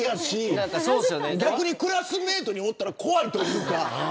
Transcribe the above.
逆にクラスメートにおったら怖いというか。